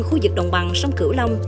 khu vực đồng bằng sông cửu long